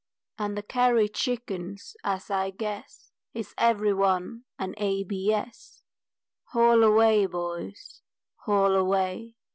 And the Carey chickens as I guess Is every one an A.B.S., Haul away boys, haul away!